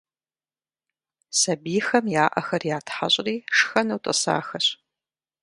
Сабийхэм я ӏэхэр ятхьэщӏри шхэну тӏысахэщ.